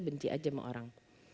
benci aja sama orang